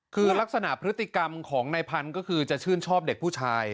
คือลักษณะพฤติกรรมของนายพันธุ์ก็คือจะชื่นชอบเด็กผู้ชาย